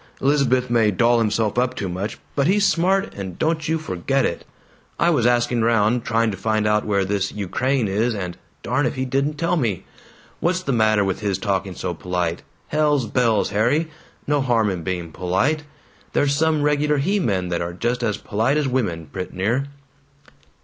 Elizabeth may doll himself up too much, but he's smart, and don't you forget it! I was asking round trying to find out where this Ukraine is, and darn if he didn't tell me. What's the matter with his talking so polite? Hell's bells, Harry, no harm in being polite. There's some regular he men that are just as polite as women, prett' near."